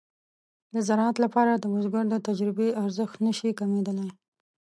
د زراعت لپاره د بزګر د تجربې ارزښت نشي کمېدلای.